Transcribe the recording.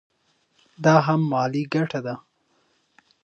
دا هم مالي ګټه ده.